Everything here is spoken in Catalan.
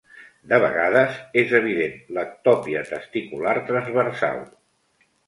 De vegades, és evident l'ectòpia testicular transversal.